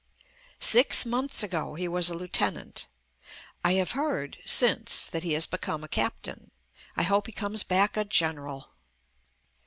Six months ago he was a Lieutenant. I have heard; since that he has become a Captain. I hope he comes back a General.